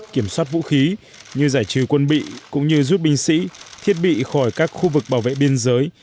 kiểm soát vũ khí như giải trừ quân bị cũng như rút binh sĩ thiết bị khỏi các khu vực bảo vệ biên giới